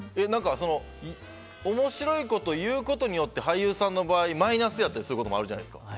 面白いことを言うことによって俳優さんの場合マイナスやったりすることもあるじゃないですか。